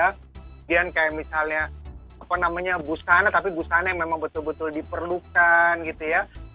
kemudian kayak misalnya apa namanya busana tapi busana yang memang betul betul diperlukan gitu ya